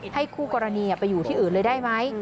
คู่กรณีไปอยู่ที่อื่นเลยได้ไหม